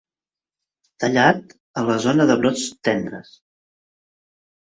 Tallat en la zona de brots tendres.